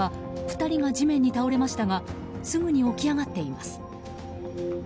映像では２人が地面に倒れましたがすぐに起き上っています。